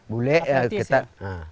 bulat dan ketat